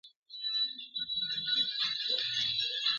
شپه په ورو ورو پخېدلای-